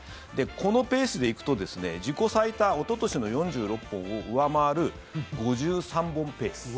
このペースでいくとですね自己最多おととしの４６本を上回る５３本ペース。